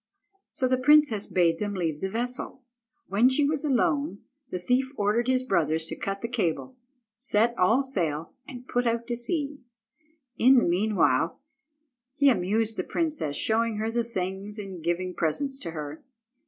So the princess bade them leave the vessel. When she was alone, the thief ordered his brothers to cut the cable, set all sail, and put out to sea. In the meanwhile he amused the princess, showing her the things, and giving presents to her.